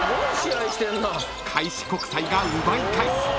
［開志国際が奪い返す］